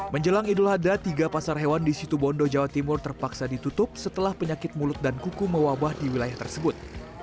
menjelang idul adha tiga pasar hewan di situ bondo jawa timur terpaksa ditutup setelah penyakit mulut dan kuku mewabah di wilayah tersebut